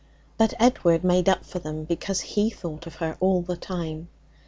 But Edward made up for them, because he thought of her all the time.